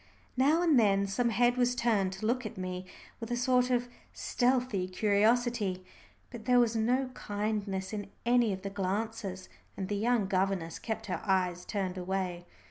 Now and then some head was turned to look at me with a sort of stealthy curiosity, but there was no kindness in any of the glances, and the young governess kept her eyes turned away.